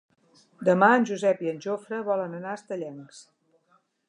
Demà en Josep i en Jofre volen anar a Estellencs.